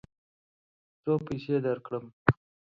څو پیسې درکړم؟